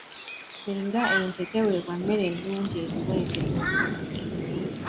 Singa ente teweebwa mmere nnungi erimu ebirungo.